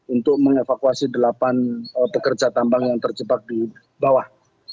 untuk mengevakuasi delapan pekerja tambang yang terjebak di bawah